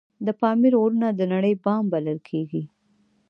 د پامیر غرونه د نړۍ بام بلل کیږي